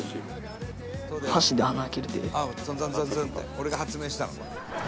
俺が発明したの」